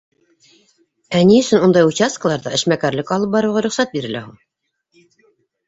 Ә ни өсөн ундай участкаларҙа эшмәкәрлек алып барыуға рөхсәт бирелә һуң?